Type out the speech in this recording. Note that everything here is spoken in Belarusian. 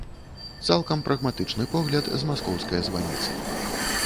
Цалкам прагматычны погляд з маскоўскае званіцы.